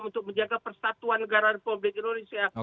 untuk menjaga persatuan negara republik indonesia